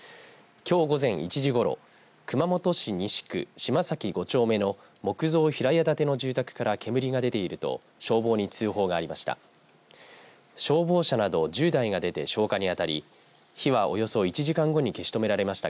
きょう午前１時ごろ熊本市西区島崎５丁目の木造平屋建ての住宅から煙が出ていると消防に通報がありました。